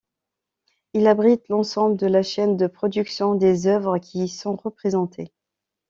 Il abrite l’ensemble de la chaîne de production des œuvres qui y sont représentées.